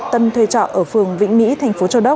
tâm thuê trọ ở phường vĩnh mỹ tp châu đốc